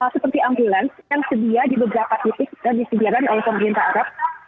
seperti ambulans yang sedia di beberapa titik yang disediakan oleh pemerintah arab